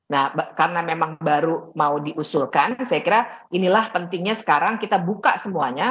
nah karena memang baru mau diusulkan saya kira inilah pentingnya sekarang kita buka semuanya